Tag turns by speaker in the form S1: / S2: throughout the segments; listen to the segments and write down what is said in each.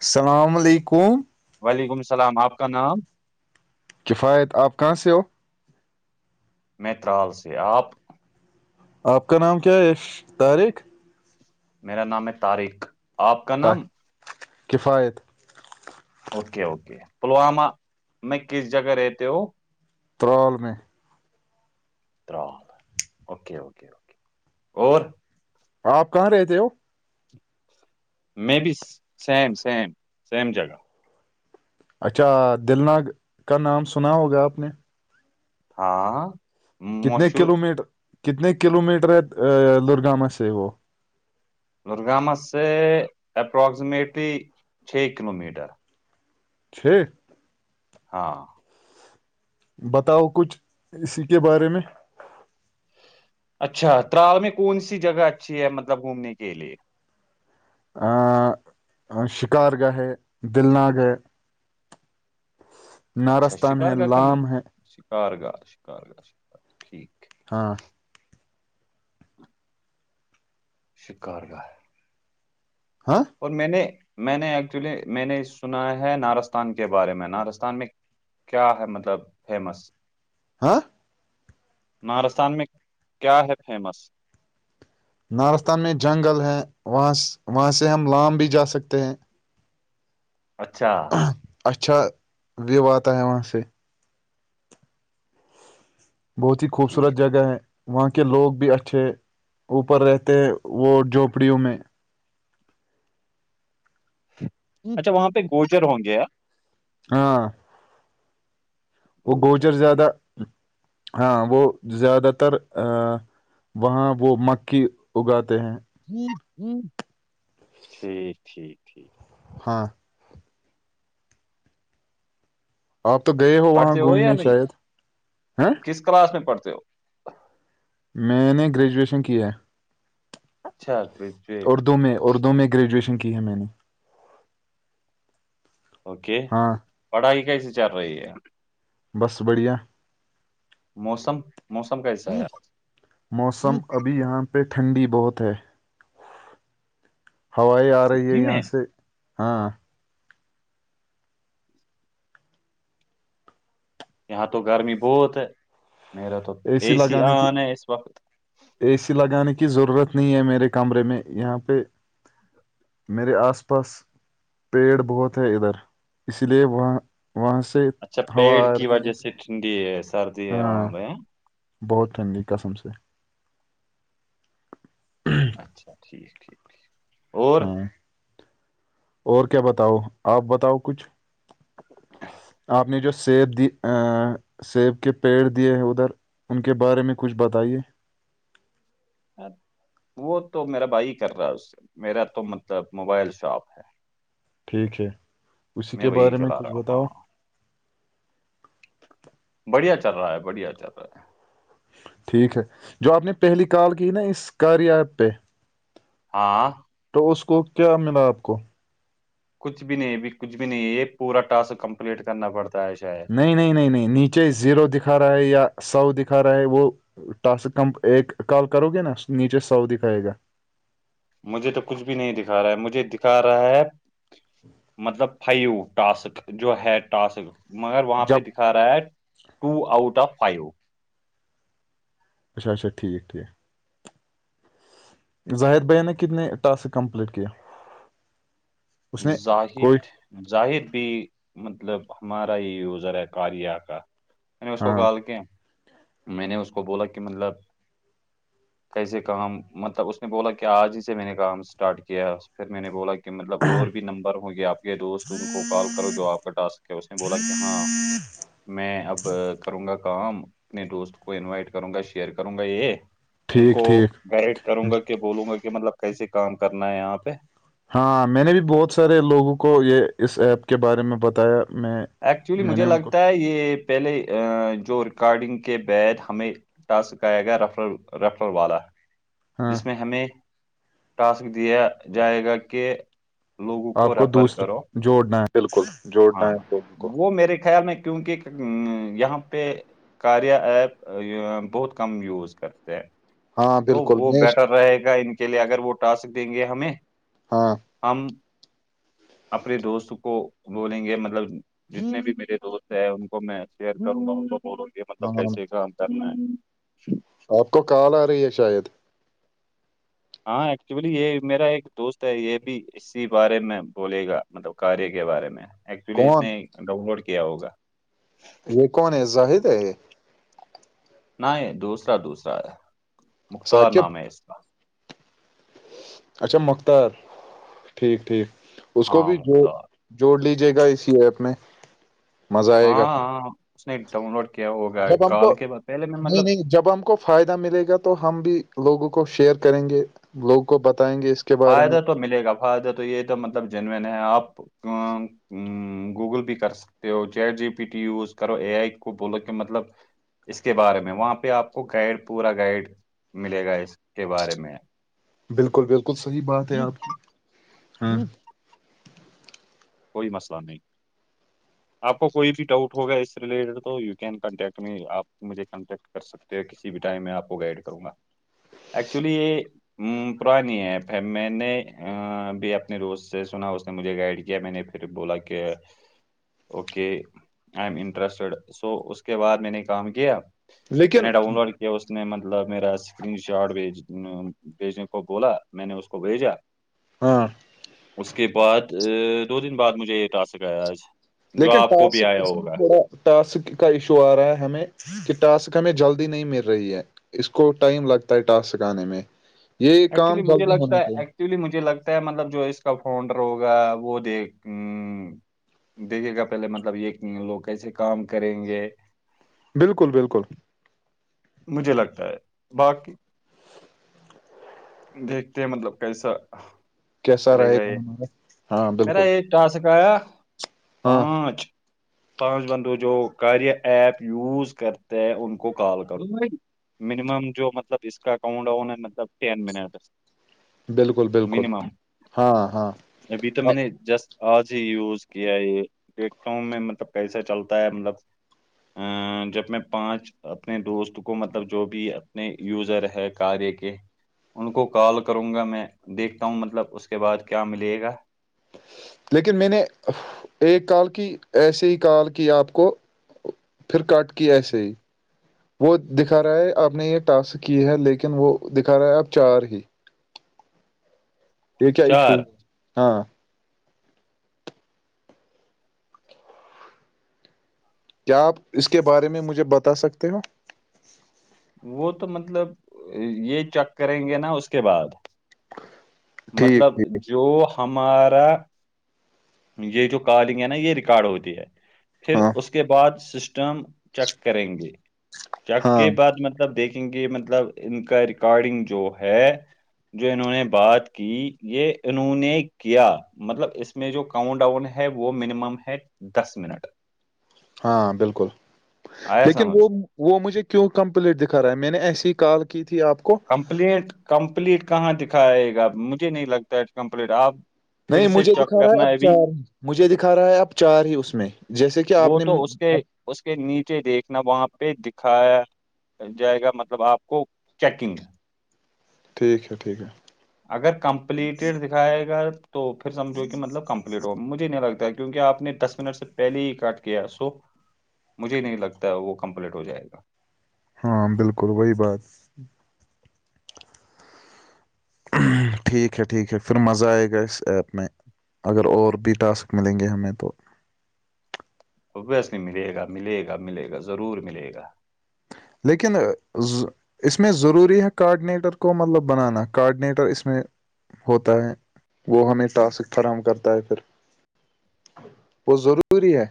S1: السلام علیکم
S2: وعلیکم السلام آپ کا نام
S1: کفایت آپ کہاں سے ہو
S2: میں ترال سے آپ
S1: آپ کا نام کیا ہے یش طارق
S2: میرا نام ہے طارق آپ کا
S1: تا-
S2: نام
S1: کفایت
S2: اوکے اوکے پلوامہ میں کس جگہ رہتے ہو
S1: ترال میں
S2: ترام اوکے اوک اور
S1: آپ کہاں رہتے ہو
S2: م بی سیم سیم سیم جگہ
S1: اچھا دل نگ کا نام سنا ہوگا آپ نے
S2: ہاں
S1: کتنے
S2: مشہور
S1: کلو میٹر کتنے کلو میٹر ہے لرگامہ سے وہ
S2: درگامس سے اپرکسیمیٹلی چھ کلو میٹر
S1: چھ
S2: ہاں
S1: بتاؤ کچھ اسی کے بارے میں
S2: اچھا ترال میں کون سی جگہ اچھی ہے مطلب گھومنے کے لیے
S1: شکار گاہ ہے دل ناگ ہے
S2: اچھا
S1: ناراستان ہے
S2: شکار کا کن
S1: لام ہے
S2: شکار گاہ شکار گاہ ٹھیک ہے [inaudible]
S1: ہاں
S2: شکار گاه
S1: ہاں
S2: اور میں نے میں نے ایکچولی میں نے سنا ہے نارستان کے بارے میں نارستان میں کیا ہے مطلب فیمس
S1: ہاں
S2: نارستان میں کیا ہے فیمس
S1: نارستان میں جنگل ہے وہاں وہاں سے ہم لام بھی جا سکتے ہیں
S2: اچھا
S1: اچھا دعوی اتا ہے وہاں سے [inaudible] بہت ہی خوبصورت
S2: ٹھیک
S1: جگہ ہے وہاں کے لوگ بھی اچھے اوپر رہتے ہیں وہ جھونپڑیوں میں
S2: اچھا وہاں پہ گوجر ہوں گے
S1: ہاں وہ گوجر زیادہ ہاں وہ زیادہ تر ا وہاں وہ مکی اگاتے ہیں
S2: ٹھیک ٹھیک ٹھیک ہے [inaudible]
S1: ہاں آپ تو گئے ہو وہاں
S2: پڑھتے یا
S1: گھومنے
S2: نہیں
S1: شاید
S2: کس کلاس میں پڑھتے ہو
S1: میں نے گریجویشن کیا
S2: اچھا گریجویٹ
S1: اردو میں اردو میں گریجویشن کی ہے میں نے
S2: اوکے
S1: ہاں
S2: پڑھائی کیسی چل رہی ہے
S1: بس بڑھیا
S2: موسم موسم کیسا ہے
S1: موسم ابھی یہاں پے ٹھنڈی بہت ہے ہوائیں آ رہی ہے
S2: سچی میں
S1: یہاں سے ہاں
S2: یہاں تو گرمی بہت ہے میرا تو اے سی آن ہے اس وقت
S1: اے سی لگانے کی ضرورت نہیں ہے میرے کمرے میں یہاں پہ میرے آس پاس پیڑ بہت ہے ادھر اس لیے وہاں وہاں سے
S2: اچھا
S1: ہوا
S2: پیڑ
S1: آ
S2: کی
S1: رہی ہے
S2: وجہ سے ٹھنڈی سردی ہے وہاں
S1: ہاں
S2: پے
S1: بہت ٹھنڈی ہے قسم سے [inaudible]
S2: اچھا ٹھیک ہے
S1: ہاں اور کیا بتاؤ آپ بتاؤ کچھ آپ نے جو سیب دی سیب کے پیڑ دیے ہیں ادھر ان کے بارے میں کچھ بتائیے
S2: وہ تو میرا بھائی کر رہا ہے اس سے میرا تو مطلب موبائل شاپ ہے
S1: ٹھیک ہے اسی کے
S2: وہی
S1: بارے میں
S2: چلا
S1: کچھ
S2: رہا ہوں
S1: بتاؤ
S2: ہاں بڑھیا چل رہا ہے بڑھیا چل رہا ہے
S1: ٹھیک ہے جو آپ نے پہلی کال کی ہے نا اس کاریاں ایپ پہ
S2: ہاں
S1: تو اس کو کیا ملا آپ کو
S2: کچھ بھی نہیں بھی کچھ بھی نہیں یہ پورا ٹسک کمپلیٹ کرنا پڑتا ہے شاید
S1: نہیں نہیں نہیں نہیں نیچے زیرو دکھا رہا ہے یا سو دکھا رہا ہے وہ ٹاسک کم ایک کال کرو گے نا نیچے سؤ دکھائے گا
S2: مجھے تو کچھ بھی نہیں دکھا رہا ہے مجھے دکھا رہا ہے مطلب فائیو ٹاسک جو ہے ٹاسک مگر وہاں پہ
S1: جب
S2: دکھا رہا ہے ٹو آؤٹ آف فائیو
S1: اچا اچا ٹھیک ٹھیک ظاہر بھ نے کتنے ٹاسک کمپلیٹ کیا اس نے کوئی
S2: زاہد ظاہر بھی مطلب ہمارا ہی یوزر ہے کاریا کا میں نے اس کو
S1: ہاں
S2: کال کیا میں نے اس کو بولا کہ مطلب کیسے کام مطلب اس نے بولا کہ آج ہی سے میں نے کام اسٹارٹ کیا پھر میں نے بولا کہ مطلب اور بھی نمبر ہو گیا آپ کے دوست ان کو کال کرو جو آپ کا ٹاسک ہے اس نے بولا کہ ہاں میں اب کروں گا کام اپنے دوست کو انوائٹ کروں گا شیئر کروں گا یہ ان کو
S1: ٹھیک ٹھیک
S2: گائڈ کروں گا کہ بولوں گا کہ مطلب کیسے کام کرنا ہے یہاں پہ
S1: ہاں میں نے بھی بہت سارے لوگوں کو یہ اس ایپ کے بارے میں بتایا میں
S2: ایکچولی
S1: میں
S2: مجھے
S1: نے ان کو
S2: لگتا ہے یہ پہلے جو ریکارڈنگ کے بد ہمیں ٹاسکیا گیا رفرل رفرل والا
S1: ہاں
S2: جس میں ہمیں ٹاسک دیا جائے گا کہ لوگوں
S1: آپ کو
S2: ریفر
S1: دوسرا
S2: کرو
S1: جوڑنا ہے بالکل جوڑنا
S2: ہاں
S1: ہے لوگوں کو
S2: وہ میرے خیال میں کیونکہ یہاں پہ کاریا ایپ بہت کم یوز کرتے ہیں
S1: ہاں
S2: تو
S1: بالکل
S2: وہ
S1: میں
S2: بیٹر
S1: اس-
S2: رہے گا ان کے لئے اگر وہ ٹاسک دیں گے ہمیں
S1: ہاں
S2: ہم اپنے دوست کو بولیں گے مطلب جتنے بھی میرے دوست ہیں ان کو میں شئر کروں گا بولوں یہ مطلب
S1: ہاں
S2: کیسے کام کرنا ہے
S1: آپ کو کال آ رہی ہے شاید
S2: ہاں ایکچولی یہ میرا ایک دوست ہے یہ بھی اسی بارے میں بولے گا مطلب کاریہ کے بارے میں ایکچولی اس
S1: کون
S2: نے ڈاؤن لوڈ کیا ہوگا
S1: یہ کون ہے زاہد ہے
S2: نہ یہ دوسرا دوسرا ہے مختار
S1: ثاقب
S2: نام ہے اس کا
S1: اچھا مختار ٹھیک ٹھیک اس کو
S2: ہاں
S1: بھی جو
S2: مختار
S1: جوڑ لیجیے گا اسی ایپ میں مزہ آئے
S2: ہاں
S1: گا خ
S2: ہاں اس نے ڈاؤن لوڈ کیا ہوگا کال
S1: کو
S2: کے بعد پہلے میں
S1: نہیں
S2: مطلب
S1: نہیں جب ہم کو فائدہ ملے گا تو ہم بھی لوگوں کو شیئر کریں گے لوگوں کو بتائیں گے اس کے بارے میں
S2: فائدہ تو ملے گا فائدہ تو یہ تو مطلب جینوین ہے آپ گوگل بھی کر سکتے ہو جیٹ جی پی ٹی یوز کرو اے آئی کو بولو کہ مطلب اس کے بارے میں وہاں پہ آپ کو گائڈ پورا گائڈ ملے گا اس کے بارے میں
S1: بالکل بالکل صحیح بات ہے آپ کی ہاں
S2: کوئی مسئلہ نہیں آپ کو کوئی بھی ڈاؤٹ ہوگا اس سے ریلیٹڈ تو یو کین کانٹیکٹ میں آپ مجھے کانٹیکٹ کر سکتے ہیں کسی بھی ٹائم میں آپ کو گائڈ کروں گا ایکچولی یہ ہ پرانی ایپ میں نے بھی اپنے دوست سے سنا اس نے مجھے گائڈ کیا میں نے پھر بولا کہ okay I am interested so اس کے بعد میں نے کام کیا میں
S1: لیکن
S2: نے ڈاؤن لوڈ کیا اس میں مطلب میرا اسکرین شاٹ بھیج بجائے کو بولا میں نے اس کو بھیجا
S1: ہاں
S2: اس کے بعد ا دو دن بعد مجھے یہ ٹاسک آیا آج جو
S1: لیکن
S2: آپ کو بھی
S1: ٹاسک
S2: آیا
S1: اس میں
S2: ہوگا
S1: تھوڑا ٹاسک کا ایشو آ رہا ہے ہمیں کہ ٹاسک ہمیں جلدی نہیں مل رہی ہے اس کو ٹائم لگتا ہے ٹاسک آنے میں یہی کام جلدی ہونا چاہیے
S2: اس لیے مجھے لگتا ہے مطلب جو اس کا فاؤڈر ہوگا وہ دیکھ دیکھے گا پہلے مطلب یہ لوگ کیسے کام کریں گے
S1: بالکل بالکل
S2: مجھے لگتا ہے باقی دیکھتے ہیں مطلب کیسا
S1: کیسا
S2: چلے
S1: رہے گا
S2: گئے
S1: ہمارا ہاں
S2: میرا
S1: بالکل
S2: یہ ٹاسک آیا
S1: ہاں
S2: پانچ پانچ بندو جو کریا ایپ یوز کرتے ہیں ان کو کال کرو منیمم جو مطلب اس کا کاؤنٹ مطلب ٹین منٹ
S1: بالکل بالکل
S2: منیمم
S1: ہاں ہاں
S2: ابھی تو میں نے جسٹ آج ہی یوز کیا یہ دیکھتا ہوں میں مطلب کیسا چلتا ہے مطلب ا جب میں پانچ اپنے دوست کو مطلب جو بھی اپنے یوزر ہے کاریہ کے ان کو کال کروں گا میں دیکھتا ہوں مطلب اس کے بعد کیا ملے گا
S1: لیکن میں نے ایک کال کی ایسے ہی کال کی آپ کو پھر کٹ کیا ایسے ہی وہ دکھا رہا ہے آپ نے یہ ٹاسک کی ہے لیکن وہ دکھا رہا ہے آب چار ہی یہ کیا ایشو
S2: چار
S1: ہاں کیا آپ اس کے بارے میں مجھے بتا سکتے ہو
S2: وہ تو مطلب یہ چیک کریں گے نا اس کے بعد
S1: ٹھیک
S2: مطلب
S1: ٹھیک
S2: جو ہمارا یہ جو کالنگ ہے نا یہ ریکارڈ ہوتی ہے پھر
S1: ہاں
S2: اس کے بعد سسٹم چیک کریں گے چیک
S1: ہاں
S2: کے بعد مطلب دیکھیں گے مطلب ان کا ریکارڈنگ جو ہے جو انہوں نے بات کی یہ انہوں نے کیا مطلب اس میں جو کاؤنٹ ڈاؤن ہے وہ منیمم ہے دس منٹ
S1: ہاں بالکل
S2: آیا
S1: لیکن
S2: سمجھ
S1: وہ وہ مجھے کیوں کمپلیٹ دکھا رہا ہے میں نے ایسی ہی کال کی تھی آپ کو
S2: کمپلیٹ کمپلیٹ کہاں دکھائے گا مجھے نہیں لگتا کمپلیٹ آپ پھر
S1: نہیں
S2: سے
S1: مجھے
S2: چیک
S1: دکھا رہا ہے
S2: کرنا
S1: اب
S2: ابھی
S1: چار مجھے دکھا رہا ہے اب چار ہی اس میں جیسے کہ آپ
S2: وہ
S1: نے
S2: تو اس کے اس کے نیچے دیکھنا وہاں پہ دکھایا جائے گا مطلب آپ کو چیکنگ
S1: ٹھیک ہے ٹھیک ہے
S2: اگر کمپلیٹیڈ دکھائے گا تو پھر سمجھو کہ مطلب کمپلیٹ ہو مجھے نہیں لگتا کہ کیونکہ آپ نے دس منٹ سے پہلے ہی کاٹ کیا سو مجھے نہیں لگتا ہے وہ کمپلیٹ ہو جائے گا
S1: ہاں بالکل وہی بات ٹھیک ہے ٹھیک ہے پھر مزہ آئے گا اس ایپ میں اگر اور بھی ٹاسک ملیں گے ہمیں تو
S2: اب ویسے ملے گا ملے گا ملے گا ضرور ملے گا
S1: لیکن ز اس میں ضروری ہے کارڈنییٹر کو مطلب بنانا کارڈنییٹر اس میں ہوتا ہے وہ ہمیں ٹاسک فراہم کرتا ہے پھر وہ ضروری ہے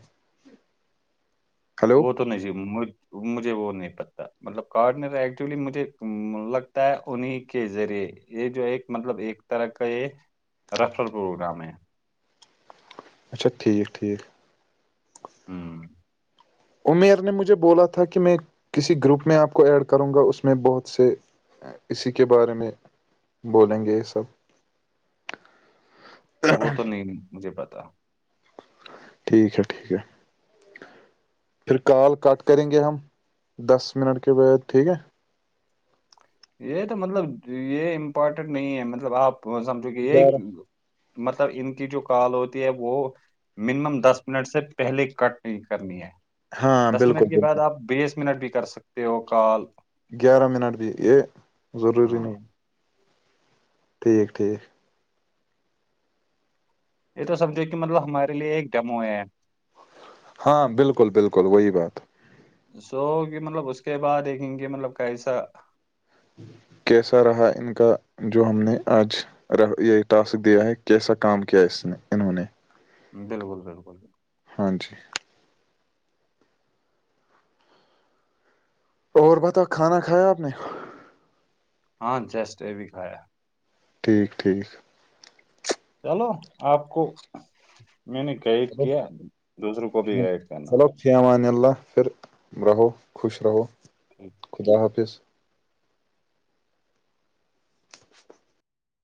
S1: ہلو
S2: وہ تو نہیں ج مجھے وہ نہیں پتتا مطلب کارڈنر ایکچولی مجھے لگتا ہے انہیں کے ذریعے یہ جو ایک مطلب ایک طرح کا یہ رفل پروگرام ہے
S1: اچھا ٹھیک ٹھیک
S2: ہوں
S1: امیر نے مجھے بولا تھا کہ میں کسی گروپ میں آپ کو ایڈ کروں گا اس میں بہت سے اسی کے بارے میں بولیں گے یہ سب
S2: وہ تو نہیں مجھے پتا
S1: ٹھیک ہے ٹھیک ہے پھر کال کٹ کریں گے ہم دس منٹ کے بعد ٹھیک ہے
S2: یہ تو مطلب یہ امپورٹینٹ نہیں ہے مطلب آپ سمجھو کہ
S1: گیارہ
S2: یہ مطلب ان کی جو کال ہوتی ہے وہ دس منٹ سے پہلے کٹ نہیں کرنی ہے
S1: ہاں
S2: دس
S1: بالکل
S2: منٹ کے
S1: بالکل
S2: بعد آپ بیس منٹ بھی کر سکتے ہو کال
S1: گیارہ منٹ بھی یہ ضروری
S2: ہاں
S1: نہیں ہے ٹھیک ٹھیک
S2: یہ تو سمھو کہ مطلب ہمارے لیے ایک ڈمو ہے
S1: ہاں بالکل بالکل وہی بات ہے
S2: سو کہ مطلب اس کے بعد دیکھیں گے مطلب کیسا
S1: کیسا رہا ان کا جو ہم نے آج یہ ٹاسک دیا ہے کیسا کام کیا ہے اس نے انہوں نے
S2: بالکل بالکل
S1: ہاں جی اور بتا کھانا کھایا آپ نے
S2: ہاں جیسٹ یہ بھی کایا
S1: ٹھیک ٹھیک
S2: چلو آپ کو میں نے گائڈ
S1: چلو
S2: کیا دوسروں کو بھی گائڈ کرنا
S1: فی امان اللہ پھر رہو خوش رہو خدا حافظ